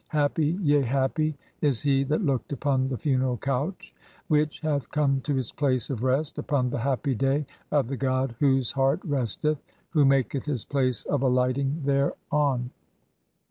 Happy, yea "happy is he that looked upon the funeral couch which hath "come to its place of rest, upon the happy day (42) of the "god whose heart resteth, who maketh his place of alighting "[thereon].